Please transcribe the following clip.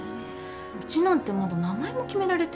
うちなんてまだ名前も決められてないんだよ。